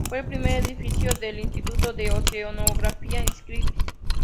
Fue el primer edificio del Instituto de Oceanografía Scripps.